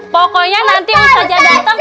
pokoknya nanti ustazah dateng